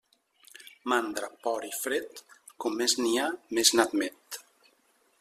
Mandra, por i fred, com més n'hi ha més n'admet.